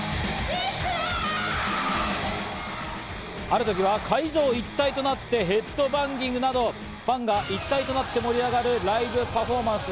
ある時は会場一体となってヘッドバンギングなどファンが一体となって盛り上がるライブパフォーマンス。